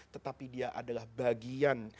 tetapi dia adalah bagian